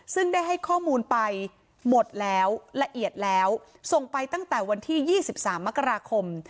ซึ่งได้ให้ข้อมูลไปหมดแล้วละเอียดแล้วส่งไปตั้งแต่วันที่๒๓มกราคม